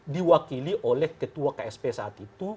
diwakili oleh ketua ksp saat itu